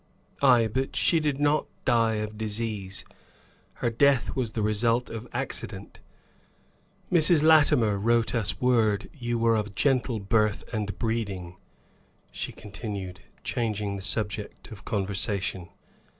Ay, but she did not die of disease; her death was the result of accident. Mrs. Latimer wrote us word you were of gentle birth and breeding," she continued, changing the subject of conversation.